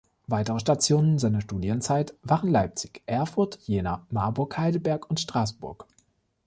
Weitere Stationen seiner Studienzeit waren Leipzig, Erfurt, Jena, Marburg, Heidelberg und Straßburg.